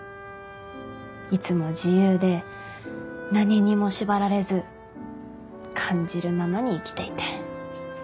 いつも自由で何にも縛られず感じるままに生きていて。